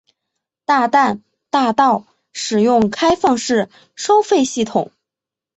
大淡大道使用开放式收费系统。